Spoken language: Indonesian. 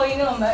terima kasih pak